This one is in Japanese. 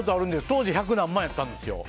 当時、百何万だったんですよ。